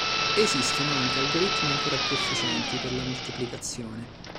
Esistono anche algoritmi ancora più efficienti per la moltiplicazione.